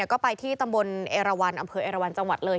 ก็ไปที่ตำบลเอราวันอำเภอเอราวันจังหวัดเลย